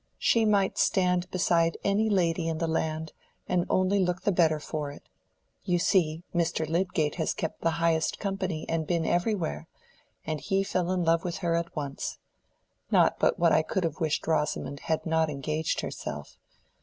She might stand beside any lady in the land, and only look the better for it. You see—Mr. Lydgate has kept the highest company and been everywhere, and he fell in love with her at once. Not but what I could have wished Rosamond had not engaged herself.